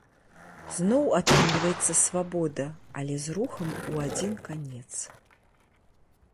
Зноў атрымліваецца свабода, але з рухам у адзін канец.